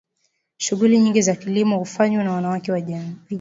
shughuli nyingi za kilimo hufanywa na wanawake wa vijijini